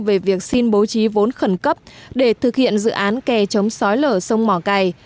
về việc xin bố trí vốn khẩn cấp để thực hiện dự án kè chống sói lở sông mỏ cài